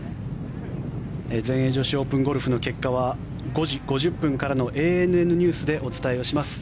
全英女子オープンゴルフの結果は５時５０分からの「ＡＮＮニュース」でお伝えします。